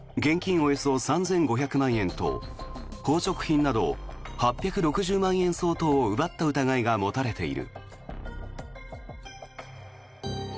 およそ３５００万円と宝飾品など８６０万円相当を奪った疑いが持たれている。